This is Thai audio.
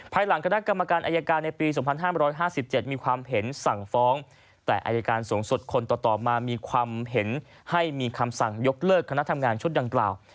ภายหลังคณะกรรมการอายการในปี๒๕๕๗มีความเห็นสั่งฟ้องแต่อายการสูงสุดคนต่อมามีความเห็นให้มีคำสั่งยกเลิกคณะทำงานชุดดังกล่าว